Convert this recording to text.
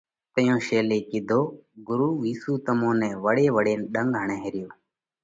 تئيون شيلي ڪِيڌو: ڳرُو جِي وِيسُو تمون نئہ وۯي وۯينَ ڏنڳ هڻئه ريو،